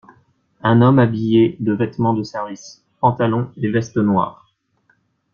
un homme habillé de vêtements de service, pantalon et veste noirs